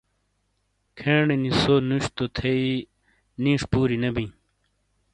کھینی نی سو نُش تو تھیئ نِیش پُوری نے بِیں۔